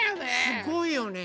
すごいよね！